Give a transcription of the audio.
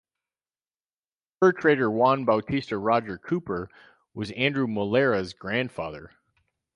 Fur trader Juan Bautista Roger Cooper was Andrew Molera's grandfather.